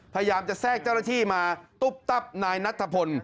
พยายามจะแทรกเจ้าหน้าที่มาตุ๊บตับนายนัทธพล